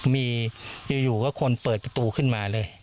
มีอยู่ก็คนเปิดประตูขึ้นมาเลย